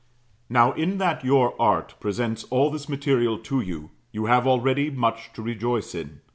Now, in that your art presents all this material to you, you have already much to rejoice in.